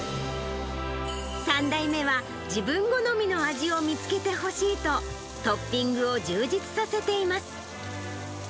３代目は自分好みの味を見つけてほしいと、トッピングを充実させています。